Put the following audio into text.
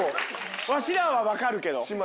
ワシらは分かるけど。